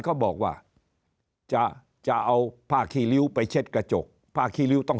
เขาบอกว่าจะจะเอาผ้าขี้ริ้วไปเช็ดกระจกผ้าขี้ริ้วต้อง